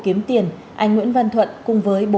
kiếm tiền anh nguyễn văn thuận cùng với